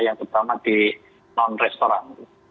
yang terutama di non restoran